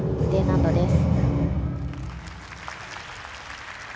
Ｄ難度です。